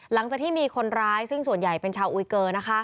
หลังจากที่มีคนร้ายซึ่งส่วนใหญ่เป็นชาวอุยเกอร์นะคะ